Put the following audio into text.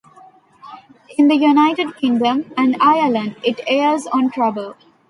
In the United Kingdom and Ireland, it airs on Trouble.